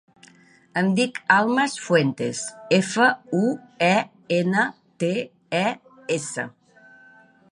Em dic Almas Fuentes: efa, u, e, ena, te, e, essa.